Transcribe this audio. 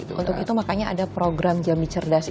untuk itu makanya ada program jami cerdas